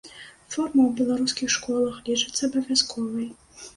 Форма ў беларускіх школах лічыцца абавязковай.